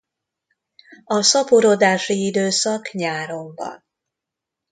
A szaporodási időszak nyáron van.